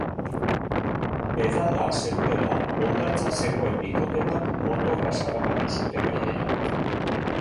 Edanda zeudela, hondartzan zegoen bikote bat motorraz harrapatu zuten gainera.